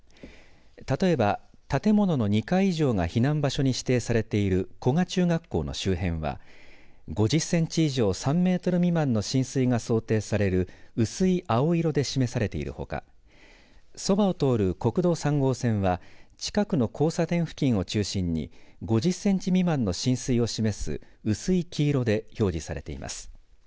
例えば建物の２階以上が避難場所に指定されている古賀中学校の周辺は５０センチ以上３メートル未満の浸水が想定されている薄い青色で示されているほかそばを通る国道３号線は近くの交差点付近を中心に５０センチ未満の浸水を示す薄い黄色で表示されています。